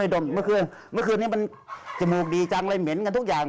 เมื่อคืนเมื่อคืนนี้มันจมูกดีจังเลยเหม็นกันทุกอย่าง